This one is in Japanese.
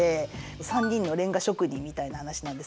３人のレンガ職人みたいな話なんですけど。